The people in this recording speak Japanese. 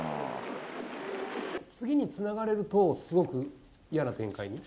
次につながれると、すごく嫌な展開に。